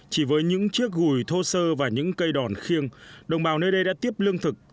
chỉ với những chiếc gùi thô sơ và những cây đòn khiêng đồng bào nơi đây đã tiếp lương thực